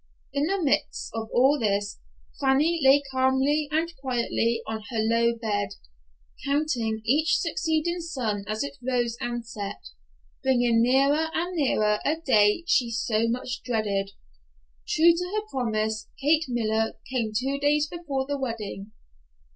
In the midst of all this Fanny lay calmly and quietly on her low bed, counting each succeeding sun as it rose and set, bringing nearer and nearer a day she so much dreaded. True to her promise, Kate Miller came two days before the wedding.